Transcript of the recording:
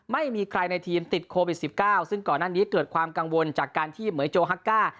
ไม่มีใครในทีมติดโควิด๑๙ซึ่งก่อนหน้านี้เกิดความกังวลจากการที่เหมือยโจฮักก้า